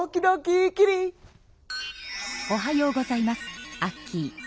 おはようございますアッキー。